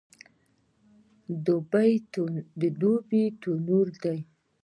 دوبی تنور دی